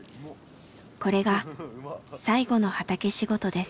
これが最後の畑仕事です。